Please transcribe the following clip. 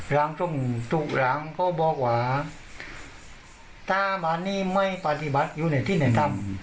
รังทุกค์ระหางเขาบอกว่าถ้าบ้านนี้ไม่ปฏิบัติอยู่ในที่ในตำ